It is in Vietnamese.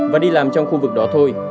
và đi làm trong khu vực đó thôi